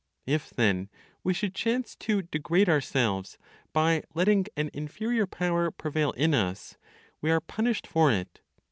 If then we should chance to degrade ourselves by letting an inferior power prevail in us, we are punished for it.